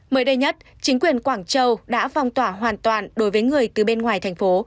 mới đây nhất chính quyền quảng châu đã phong tỏa hoàn toàn đối với người từ bên ngoài thành phố